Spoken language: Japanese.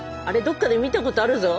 どっかで見たことあるぞ。